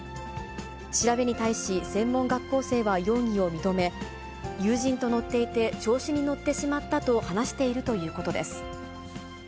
調べに対し、専門学校生は容疑を認め、友人と乗っていて、調子に乗ってしまったと話しているということです。